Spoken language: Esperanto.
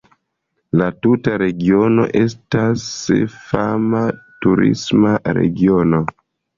La tuta regiono estas fama turisma regiono.